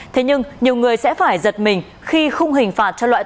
thế nhưng nhiều người sẽ phải giật mình khi không hình phạt cho loại tội